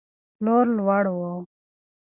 پلور لوړ و.